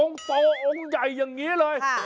โตองค์ใหญ่อย่างนี้เลย